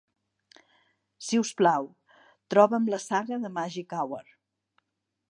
Si us plau, troba'm la saga de Magic Hour.